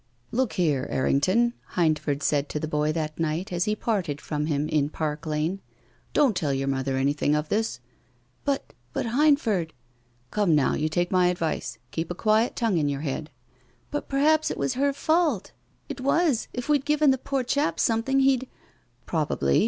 " Look here, Errington," Hindford said to the boy that night as he parted from him in Park Lane, " don't tell your mother anything of this." But— but, Hindford " <i " Come, now, you take my advice. Keep a quiet tongue in your head." " But perhaps it was her fault ; it was — if we'd given the poor chap something he'd "" Probably.